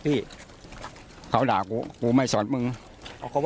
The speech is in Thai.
อันนี้คำต่ออ้างของผู้ก่อเหตุนะครับทุกผู้ชมครับ